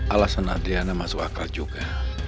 alasan adriana masuk akrab juga